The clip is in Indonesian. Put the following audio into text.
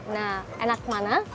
nah enak kemana